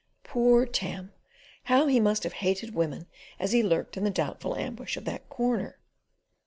"Poor Tam!" How he must have hated women as he lurked in the doubtful ambush of that corner.